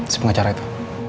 si pengacara itu